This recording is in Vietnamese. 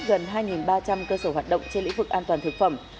gần hai ba trăm linh cơ sở hoạt động trên lĩnh vực an toàn thực phẩm